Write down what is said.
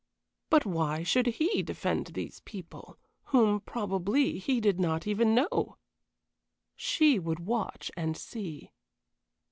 But why should he defend these people, whom, probably, he did not even know? She would watch and see.